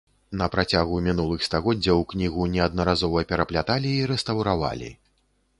На працягу мінулых стагоддзяў кнігу неаднаразова перапляталі і рэстаўравалі.